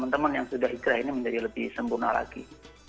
teman teman yang sudah hijrah ini menjadi lebih sempurna lagi